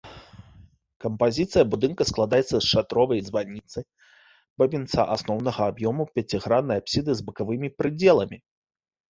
Кампазіцыя будынка складаецца з шатровай званіцы, бабінца, асноўнага аб'ёму, пяціграннай апсіды з бакавымі прыдзеламі.